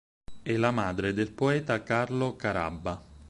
È la madre del poeta Carlo Carabba.